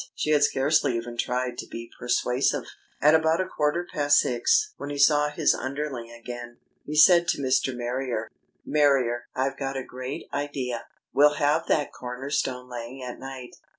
She had scarcely even tried to be persuasive. At about a quarter past six, when he saw his underling again, he said to Mr. Marrier: "Marrier, I've got a great idea. We'll have that corner stone laying at night.